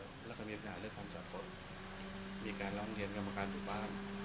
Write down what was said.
แล้วก็มีอันด้านเรื่องการจัดคนมีการร้องเทียมกรรมการทุกบ้าน